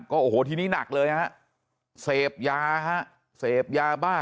โอ้โหทีนี้หนักเลยฮะเสพยาฮะเสพยาบ้า